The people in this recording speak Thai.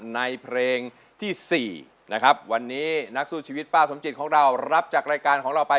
ในเพลงที่๔นะครับวันนี้นักสู้ชีวิตป้าสมจิตของเรารับจากรายการของเราไป